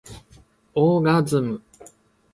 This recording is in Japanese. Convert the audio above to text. オーガズム